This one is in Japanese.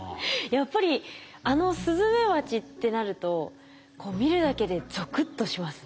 やっぱりあのスズメバチってなると見るだけでゾクッとしますね。